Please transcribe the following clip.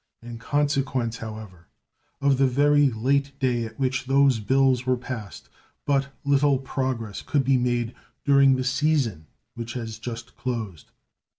In consequence, however, of the very late day at which those bills were passed, but little progress could be made during the season which has just closed.